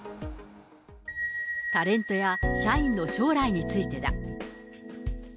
タレントや社員の将来についてだ。